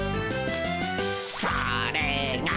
「それが」